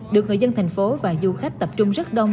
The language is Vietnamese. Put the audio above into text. được người dân thành phố và du khách tập trung rất đông